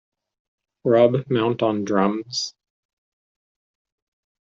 Rob Mount on Drums.